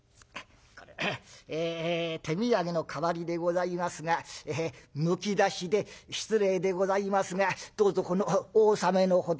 ええ手土産の代わりでございますがむき出しで失礼でございますがどうぞこのお納めのほど」。